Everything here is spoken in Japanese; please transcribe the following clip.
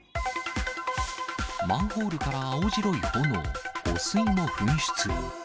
マンホールから青白い炎、汚水も噴出。